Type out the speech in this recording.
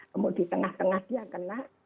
kemudian di tengah tengah dia kena